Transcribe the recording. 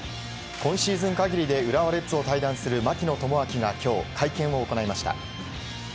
今シーズンかぎりで浦和レッズを退団する槙野智章がきょう、会見を行いました。